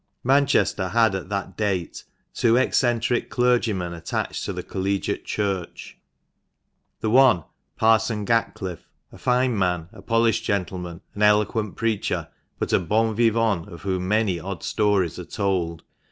Q ANCHESTER had at that date two eccentric clergymen attached to the Collegiate Church. The one, Parson Gatliffe, a fine man, a polished gentleman, « W an eloquent preacher, but a bon vivant of whom many odd stories are told.